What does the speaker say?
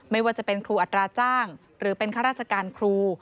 ไม่ว่าจะเป็นครูอัตราจ้างหรือเป็นข้าราชการครู